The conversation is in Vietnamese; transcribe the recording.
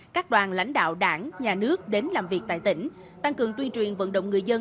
các đoàn lãnh đạo đảng nhà nước đến làm việc tại tỉnh tăng cường tuyên truyền vận động người dân